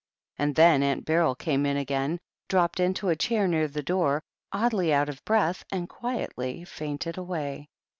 And then Aunt Beryl came in again, dropped into a chair near the door, oddly out of breath, and quietly fainted away.